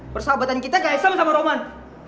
persahabatan kita kaisang sama roman